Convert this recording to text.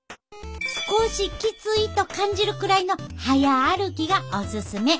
少しきついと感じるくらいの早歩きがおすすめ。